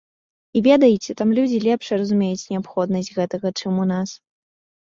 І ведаеце, там людзі лепш разумеюць неабходнасць гэтага, чым у нас.